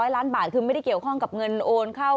ล้านบาทคือไม่ได้เกี่ยวข้องกับเงินโอนเข้า